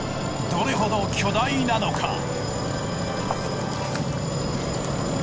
どれほど巨大なのか？